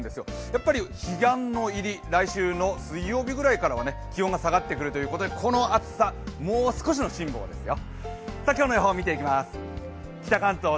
やっぱり彼岸の入り、来週の水曜日ぐらいからは気温が下がってくるということでこの暑さ、もう少しの辛抱ですよ。